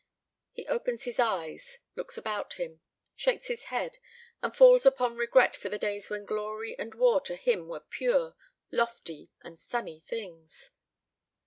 He opens his eyes, looks about him, shakes his head, and falls upon regret for the days when glory and war to him were pure, lofty, and sunny things.